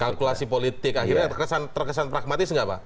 kalkulasi politik akhirnya terkesan pragmatis nggak pak